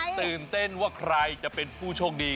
ตื่นเต้นว่าใครจะเป็นผู้โชคดี